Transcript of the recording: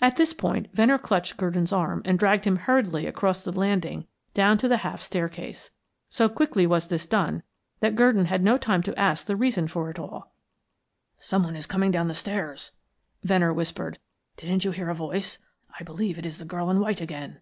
At this point Venner clutched Gurdon's arm and dragged him hurriedly across the landing down to the half staircase. So quickly was this done that Gurdon had no time to ask the reason for it all. "Someone coming down the stairs," Venner whispered. "Didn't you hear a voice? I believe it is the girl in white again."